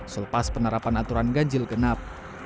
selepas penerapan aturan ganjil genap